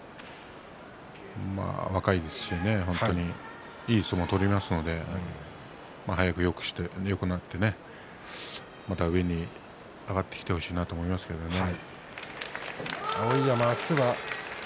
若いですしねいい相撲を取りますので早くよくなって上に上がっていってほしいなと思いますけどね。